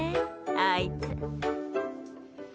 あいつ。